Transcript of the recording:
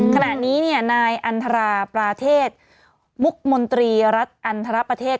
ขณะนี้นายอันทราประเทศมุกมนตรีรัฐอันทรประเทศ